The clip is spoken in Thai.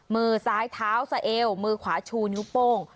มือซ้ายเท้าสะเอวมือขวาชูนิ้วโป้ง